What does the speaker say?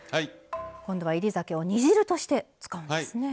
今度は煎り酒を煮汁として使うんですね。